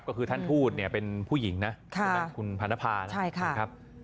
ก็คือท่านทูตเนี่ยเป็นผู้หญิงนะคุณพนภานะครับ